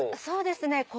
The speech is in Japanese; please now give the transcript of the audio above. そうですね